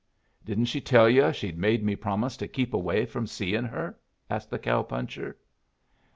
"Didn't she tell yu' she'd made me promise to keep away from seeing her?" asked the cow puncher.